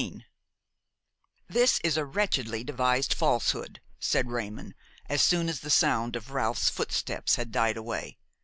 XVIII "This is a wretchedly devised falsehood," said Raymon, as soon as the sound of Ralph's footsteps had died away.